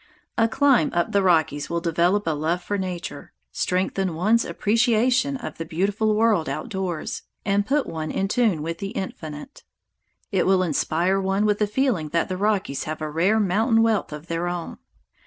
A climb up the Rockies will develop a love for nature, strengthen one's appreciation of the beautiful world outdoors, and put one in tune with the Infinite. It will inspire one with the feeling that the Rockies have a rare mountain wealth of their own.